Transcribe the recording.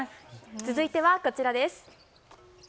続いてはこちらです。